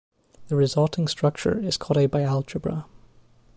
The resulting structure is called a bialgebra.